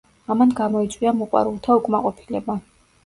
ამან გამოიწვია მოყვარულთა უკმაყოფილება.